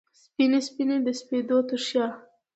سپینې، سپینې د سپېدو ترشا